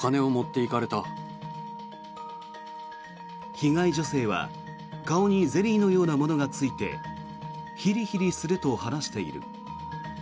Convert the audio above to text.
被害女性は顔にゼリーのようなものがついてヒリヒリすると話している。